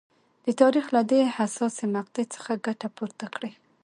د تاریخ له دې حساسې مقطعې څخه ګټه پورته کړي.